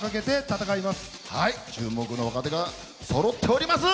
はい注目の若手がそろっております！